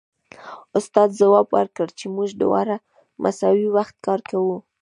استاد ځواب ورکړ چې موږ دواړه مساوي وخت کار کوو